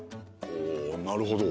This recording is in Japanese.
おなるほど。